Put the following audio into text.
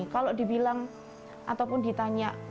kalau dibilang ataupun ditanya